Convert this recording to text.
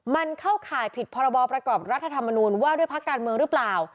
มันเข้าข่ายผิดพรบประกอบรัฐธรรมนูญว่าด้วยพักการเมืองหรือเปล่า